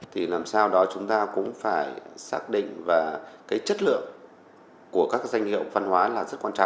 thì làm sao đó chúng ta cũng phải xác định và cái chất lượng của các danh hiệu văn hóa là rất quan trọng